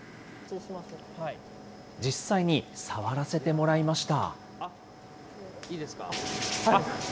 実際に触らせてもらいました。